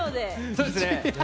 そうですね。